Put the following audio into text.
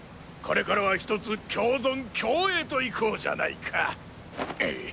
これからはひとつ共存共栄といこうじゃないか。